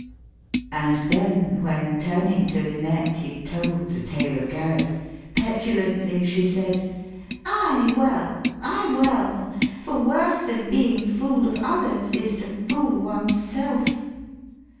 And then when turning to Lynette he told The tale of Gareth, petulantly she said, 'Ay well ay well for worse than being fool'd Of others, is to fool one's self.